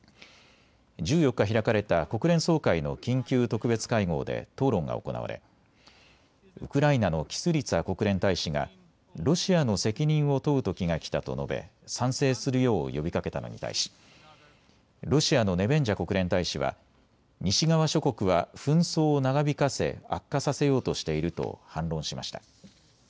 １４日、開かれた国連総会の緊急特別会合で討論が行われウクライナのキスリツァ国連大使がロシアの責任を問うときが来たと述べ賛成するよう呼びかけたのに対しロシアのネベンジャ国連大使は西側諸国は紛争を長引かせ悪化させようとしていると反論しました。